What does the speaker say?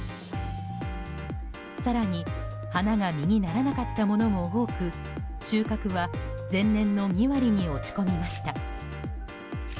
更に、花が実にならなかったものも多く収穫は前年の２割に落ち込みました。